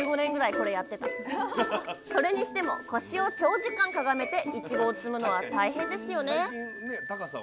それにしても腰を長時間かがめていちごを摘むのは大変ですよね。